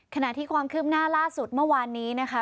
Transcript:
ขณะที่ความคืบหน้าล่าสุดเมื่อวานนี้นะคะ